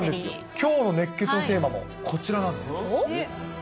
きょうの熱ケツのテーマもこちらなんです。